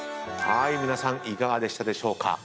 皆さんいかがでしたでしょうか？